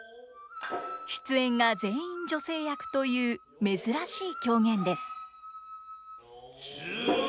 出演が全員女性役という珍しい狂言です。